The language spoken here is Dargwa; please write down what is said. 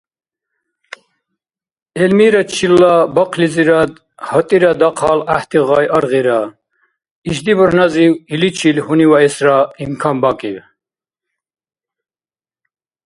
Эльмирачила бахълизирад гьатӏира дахъал гӏяхӏти гъай аргъира. Ишди бурхӏназив иличил гьуниваэсра имканбакӏиб.